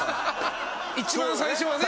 一番最初はね。